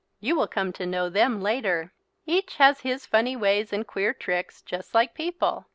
You will come to know them later. Each has his funny ways and queer tricks just like people.